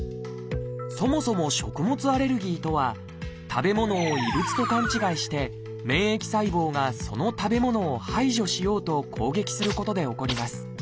そもそも「食物アレルギー」とは食べ物を異物と勘違いして免疫細胞がその食べ物を排除しようと攻撃することで起こります。